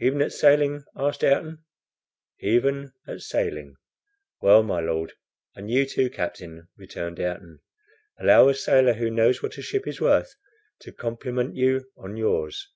"Even at sailing?" asked Ayrton. "Even at sailing." "Well, my Lord, and you too, captain," returned Ayrton, "allow a sailor who knows what a ship is worth, to compliment you on yours."